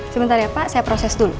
sebentar ya pak saya proses dulu